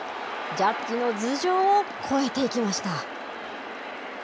ジャッジの頭上を越えていきました。